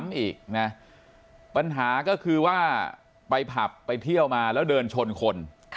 อีกนะปัญหาก็คือว่าไปผับไปเที่ยวมาแล้วเดินชนคน